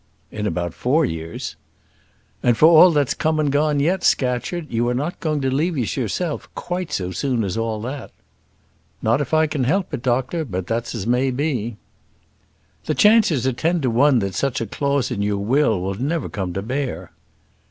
"In about four years." "And for all that's come and gone yet, Scatcherd, you are not going to leave us yourself quite so soon as all that." "Not if I can help it, doctor; but that's as may be." "The chances are ten to one that such a clause in your will will never come to bear."